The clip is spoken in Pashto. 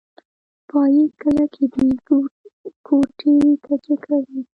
پایې کلکې دي کوټې تکیه کوي.